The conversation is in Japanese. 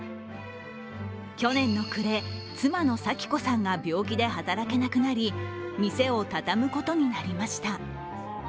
去年の暮れ、妻の咲子さんが病気で働けなくなり店を畳むことになりました。